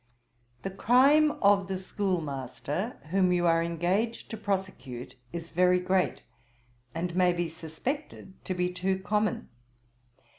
'The crime of the schoolmaster whom you are engaged to prosecute is very great, and may be suspected to be too common.